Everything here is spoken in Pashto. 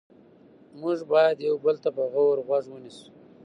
موږ باید یو بل ته په غور غوږ ونیسو